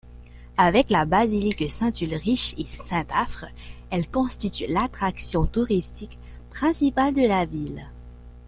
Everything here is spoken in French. Avec la basilique Saint-Ulrich-et-Sainte-Afre, elle constitue l'attraction touristique principale de la ville.